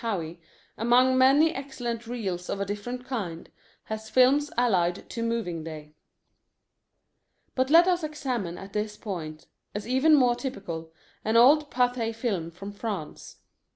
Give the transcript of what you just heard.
Howe, among many excellent reels of a different kind, has films allied to Moving Day. But let us examine at this point, as even more typical, an old Pathé Film from France.